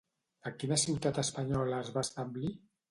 A quina ciutat espanyola es va establir?